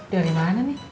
dari mana nek